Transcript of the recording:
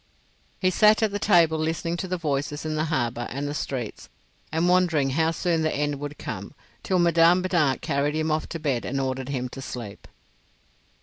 He sat at the table listening to the voices in the harbour and the streets, and wondering how soon the end would come, till Madame Binat carried him off to bed and ordered him to sleep.